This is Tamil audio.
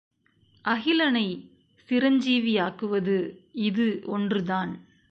அகிலனை சிரஞ்சீவியாக்குவது இது ஒன்றுதான்!